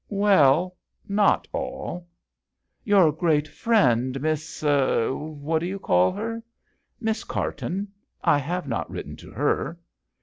"Well, not all.' J " Your great friend, Miss what do you call her ?" "Miss Carton. I have not written to her."